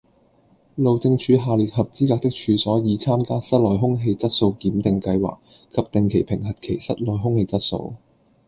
路政署下列合資格的處所已參加室內空氣質素檢定計劃及定期評核其室內空氣質素